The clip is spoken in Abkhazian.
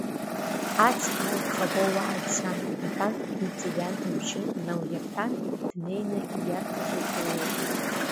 Аҵх алԥха бауааит, сан, — иҳәан Витиа иан ибжьы налирҳан, днеины, ииарҭаҿы днаиеит.